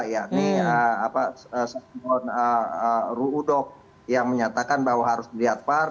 ini apa yang menyatakan bahwa harus dilihat par